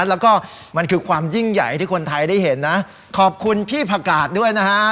แล้วก็มันคือความยิ่งใหญ่ที่คนไทยได้เห็นนะขอบคุณพี่ผักกาดด้วยนะฮะ